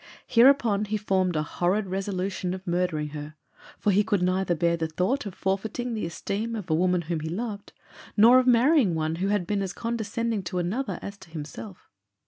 Hereupon he formed a horrid resolution of murdering her, for he could neither bear the thought of forfeiting the esteem of a woman who he loved, nor of marrying one who had been as condescending to another as to himself.